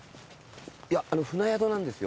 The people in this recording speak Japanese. いや船宿なんですよ。